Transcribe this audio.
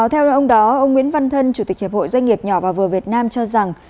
theo ông đó ông nguyễn văn thân chủ tịch hiệp hội doanh nghiệp nhỏ và vừa việt nam cho rằng